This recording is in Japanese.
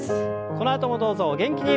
このあともどうぞお元気に。